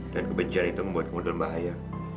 dan kebencian itu membuat kemudahan bahaya